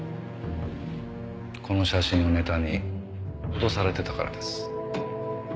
この写真をネタに脅されてたからです。